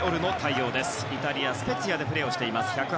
イタリアのスペツィアでプレーしています。